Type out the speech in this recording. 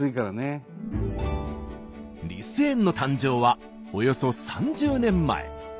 リス園の誕生はおよそ３０年前。